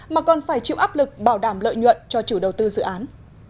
mà còn phải chịu áp lực bảo đảm lợi nhuận cho chủ đầu tư dự án